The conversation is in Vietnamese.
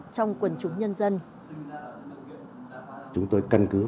trong quần chúng nhân dân